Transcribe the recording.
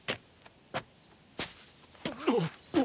あっ！